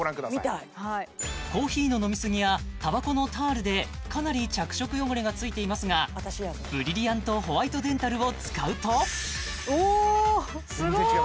見たいコーヒーの飲みすぎやタバコのタールでかなり着色汚れがついていますがブリリアントホワイトデンタルを使うとおっすごい！